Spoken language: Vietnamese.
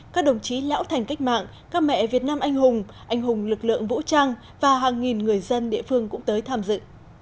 các đồng chí lão thành cách mạng các mẹ việt nam anh hùng anh hùng lực lượng vũ trang và hàng nghìn người dân địa phương cũng tới tham dự